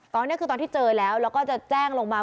ตอนนี้คือตอนที่เจอแล้วแล้วก็จะแจ้งลงมา